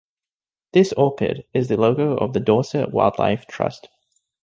This orchid is the logo of the Dorset Wildlife Trust.